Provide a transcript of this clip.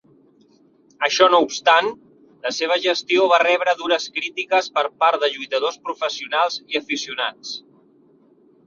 Això no obstant, la seva gestió va rebre dures crítiques per part de lluitadors professionals i aficionats.